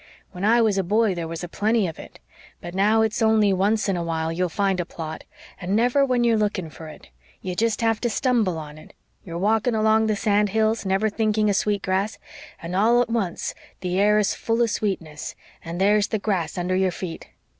"When I was a boy there was a plenty of it. But now it's only once in a while you'll find a plot and never when you're looking for it. You jest have to stumble on it you're walking along on the sand hills, never thinking of sweet grass and all at once the air is full of sweetness and there's the grass under your feet.